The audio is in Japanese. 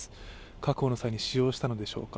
確保の際に使用されたのでしょうか。